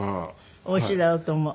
おいしいだろうと思う。